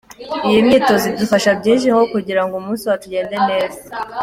Iyi myitozo idufasha byinshi, nko kugira ngo umunsi wacu ugende neza.